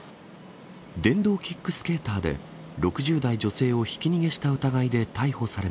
電動キックスケーターで６０代女性をひき逃げした疑いで逮捕され